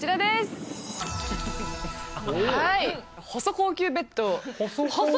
細高級ベッド？